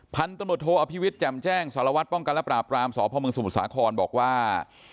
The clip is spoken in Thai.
พันธุ์ตำรวจโทอภิวิตแจ่มแจ้งสารวัตรป้องกันและปราบรามสพมสมุทรสาครบอกว่า